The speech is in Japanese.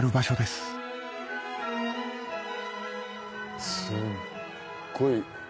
すっごい。